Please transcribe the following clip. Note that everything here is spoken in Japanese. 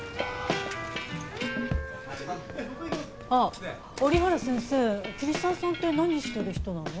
あっ折原先生桐沢さんって何してる人なの？